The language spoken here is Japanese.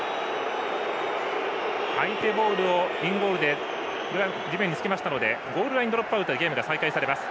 相手ボールをインゴールで地面につけましたのでゴールラインドロップアウトでゲームが再開。